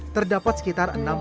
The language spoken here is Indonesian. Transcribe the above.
terdapat sekitar enam penelitian